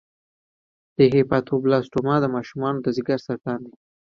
د هیپاټوبلاسټوما د ماشومانو د ځګر سرطان دی.